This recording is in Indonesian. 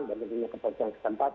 dan kepentingan kepentingan kesempatan